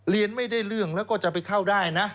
เรียนไม่ได้เรื่องแล้วก็จะไปเข้าได้นะ